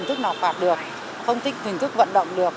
lúc nào phạt được không thích thỉnh thức vận động được